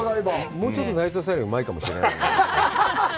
もうちょっと内藤さんよりうまいかもしれないね。